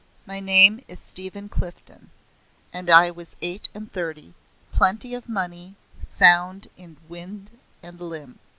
My name is Stephen Clifden, and I was eight and thirty; plenty of money, sound in wind and limb.